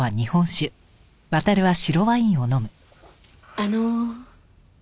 あの。